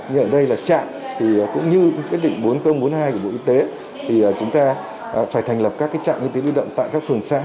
như ở đây là trạm cũng như quyết định bốn nghìn bốn mươi hai của bộ y tế thì chúng ta phải thành lập các trạm y tế lưu động tại các phường xã